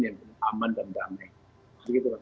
yang aman dan damai